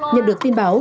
nhận được tin báo